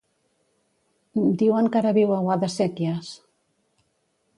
Diuen que ara viu a Guadasséquies.